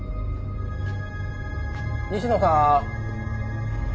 西野さん？